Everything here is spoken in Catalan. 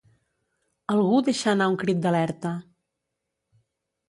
Algú deixa anar un crit d'alerta.